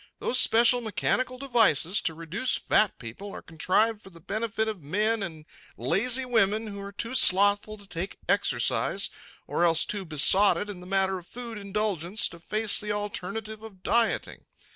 Those special mechanical devices to reduce fat people are contrived for the benefit of men and lazy women who are too slothful to take exercise or else too besotted in the matter of food indulgence to face the alternative of dieting.